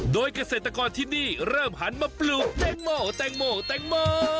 โดยเกษตรกรที่นี่เริ่มหันมาปลูกแตงโมแตงโม